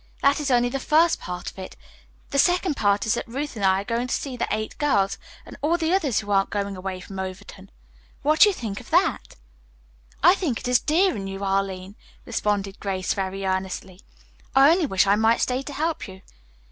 That is only the first part of it. The second part is that Ruth and I are going to see to the eight girls, and all the others who aren't going away from Overton. What do you think of that?" "I think it is dear in you, Arline," responded Grace very earnestly. "I only wish I might stay to help you.